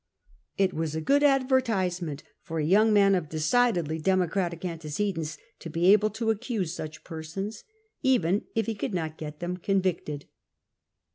It was a good advortiBament for a young man of decidedly Democratic antecedents to be able to accuse such persons, even if he could not get them convicted.